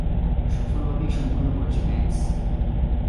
সফলভাবেই সম্পন্ন করেছো ম্যাক্স।